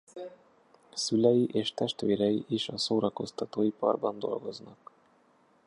Szülei és testvérei is a szórakoztatóiparban dolgoznak.